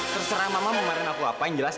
terserah mama mengeluarkan aku apa yang jelas